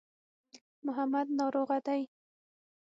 محمد ناروغه دی.